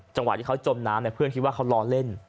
จังหวะที่เขาจมน้ำเพื่อนคิดว่าเขาล้อเล่น